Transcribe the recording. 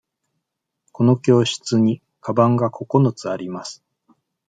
この教室にかばんが九つあります。